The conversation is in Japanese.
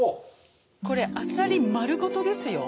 これあさり丸ごとですよ。